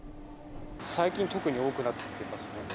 最近、特に多くなってきてますね。